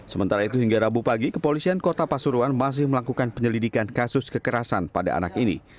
sementara itu hingga rabu pagi kepolisian kota pasuruan masih melakukan penyelidikan kasus kekerasan pada anak ini